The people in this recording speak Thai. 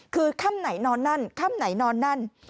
คือค่ำไหนนอนนั่นค่ำไหนนอนนั่น